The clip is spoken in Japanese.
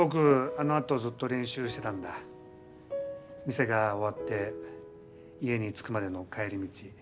店が終わって家に着くまでの帰り道。